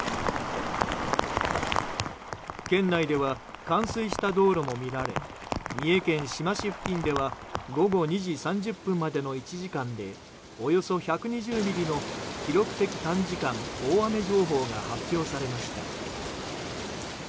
県内では冠水した道路も見られ三重県志摩市付近では午後２時３０分までの１時間でおよそ１２０ミリの記録的短時間大雨情報が発表されました。